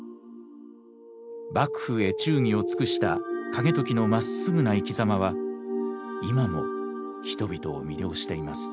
幕府へ忠義を尽くした景時のまっすぐな生きざまは今も人々を魅了しています。